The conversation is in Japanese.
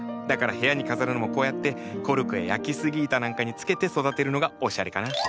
だから部屋に飾るのもこうやってコルクや焼き杉板なんかに付けて育てるのがおしゃれかな。